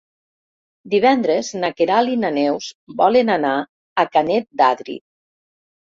Divendres na Queralt i na Neus volen anar a Canet d'Adri.